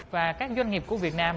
và các doanh nghiệp của việt nam